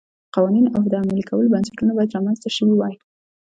قوانین او د عملي کولو بنسټونه باید رامنځته شوي وای